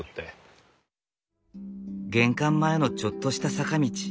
玄関前のちょっとした坂道。